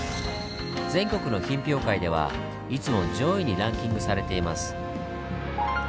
全国の品評会ではいつも上位にランキングされています。